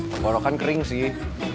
pemborokan kering sih